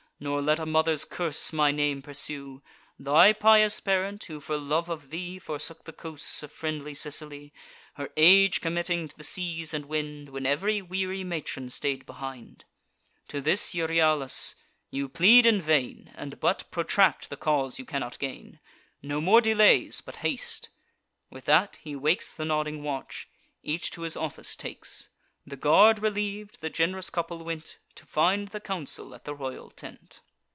Nor let a mother's curse my name pursue: Thy pious parent, who, for love of thee, Forsook the coasts of friendly Sicily, Her age committing to the seas and wind, When ev'ry weary matron stay'd behind." To this, Euryalus: "You plead in vain, And but protract the cause you cannot gain. No more delays, but haste!" With that, he wakes The nodding watch; each to his office takes. The guard reliev'd, the gen'rous couple went To find the council at the royal tent.